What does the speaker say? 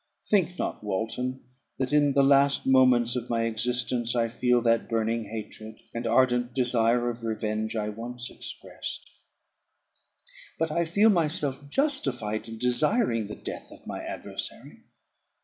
Think not, Walton, that in the last moments of my existence I feel that burning hatred, and ardent desire of revenge, I once expressed; but I feel myself justified in desiring the death of my adversary.